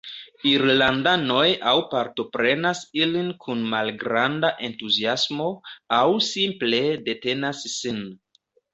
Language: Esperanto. Irlandanoj aŭ partoprenas ilin kun malgranda entuziasmo aŭ simple detenas sin.